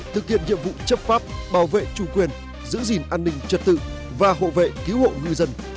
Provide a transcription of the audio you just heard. thực hiện nhiệm vụ chấp pháp bảo vệ chủ quyền giữ gìn an ninh trật tự và hộ vệ cứu hộ ngư dân